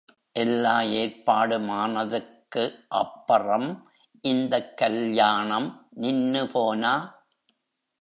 எல்லா ஏற்பாடும் ஆனதுக்கு அப்பறம் இந்தக் கல்யாணம் நின்னு போனா!